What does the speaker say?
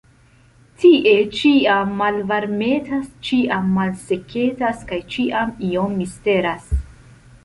Tie ĉiam malvarmetas, ĉiam malseketas, kaj ĉiam iom misteras.